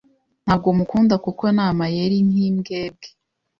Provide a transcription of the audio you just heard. Ntabwo mukunda kuko ni amayeri nkimbwebwe.